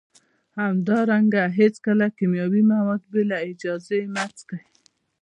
همدارنګه هیڅکله کیمیاوي مواد بې له اجازې مه څکئ